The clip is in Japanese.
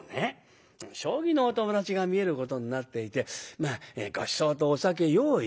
将棋のお友達が見えることになっていてごちそうとお酒用意した。